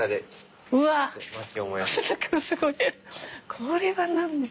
これは何？